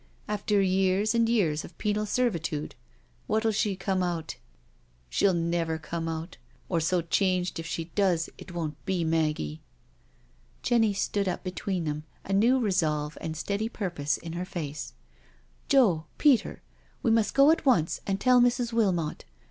After years and years of penal servi tude! What'U she come out? She'll never come out, or so changed if she does, it won't be Maggie." Jenny stood up between them, a new resolve and steady purpose in her face: " Joe — Peter — we must go at once and tell Mrs. Wilmot.